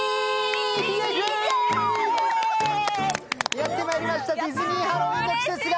やってまいりましたディズニー・ハロウィーンの季節が。